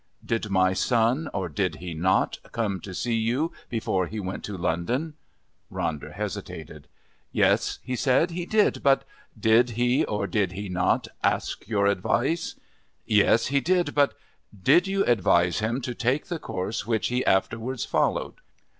"Did my son, or did he not, come to see you before he went up to London?" Ronder hesitated. "Yes," he said, "he did. But " "Did he, or did he not, ask your advice?" "Yes, he did. But " "Did you advise him to take the course which he afterwards followed?"